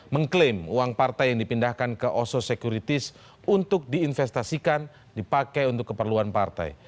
mengklaim uang partai yang dipindahkan ke oso securities untuk diinvestasikan dipakai untuk keperluan partai